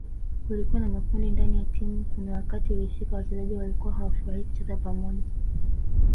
Kulikuwa na makundi ndani ya timu kuna wakati ilifika wachezaji walikuwa hawafurahii kucheza pamoja